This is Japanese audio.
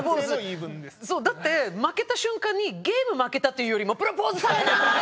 だって負けた瞬間にゲーム負けたっていうよりもプロポーズされない！